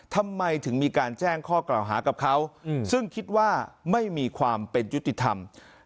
ทำไมถึงมีการแจ้งข้อกล่าวหากับเขาซึ่งคิดว่าไม่มีความเป็นยุติธรรม